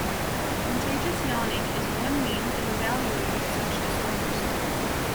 Contagious yawning is one means of evaluating such disorders.